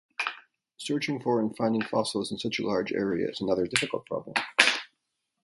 Searching for and finding fossils in such a large area is another difficult problem.